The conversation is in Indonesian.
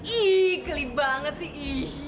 ih geli banget sih